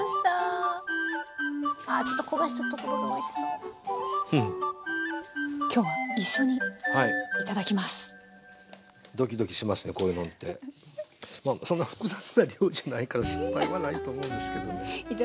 そんな複雑な料理じゃないから失敗はないと思うんですけどね。